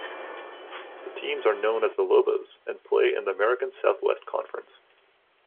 The teams are known as the Lobos, and play in the American Southwest Conference.